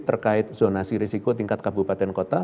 terkait zonasi risiko tingkat kabupaten kota